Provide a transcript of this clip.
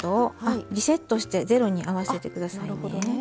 あリセットしてゼロに合わせて下さいね。